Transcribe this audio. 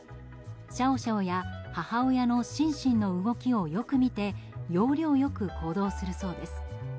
シャオシャオや母親のシンシンの動きをよく見て要領よく行動するそうです。